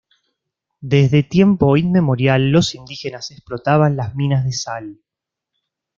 Desde tiempo inmemorial, los indígenas explotaban las minas de sal.